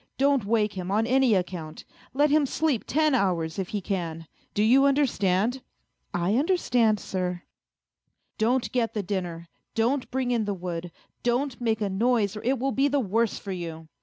Don't wake him on any account ! Let him sleep ten hours, if he can. Do you understand ?"" I understand, sir." " Don't get the dinner, don't bring in the wood, don't make a noise or it will be the worse for you.